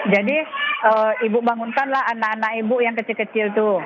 jadi ibu bangunkanlah anak anak ibu yang kecil kecil itu